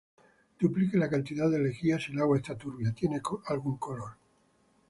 Duplique la cantidad de lejía si el agua está turbia, tiene algún color